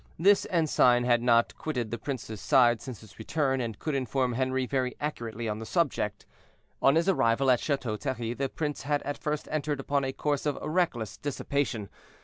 This ensign had not quitted the prince's side since his return, and could inform Henri very accurately on the subject. On his arrival at Chateau Thierry, the prince had at first entered upon a course of reckless dissipation.